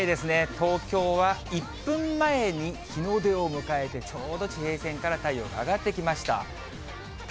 東京は１分前に日の出を迎えてちょうど地平線から太陽が上がってきました。